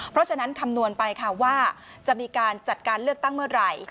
เพราะฉะนั้นคำนวณไปค่ะว่าจะมีการจัดการเลือกตั้งเมื่อไหร่